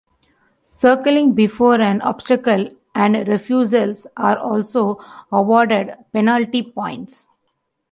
Circling before an obstacle and refusals are also awarded penalty points.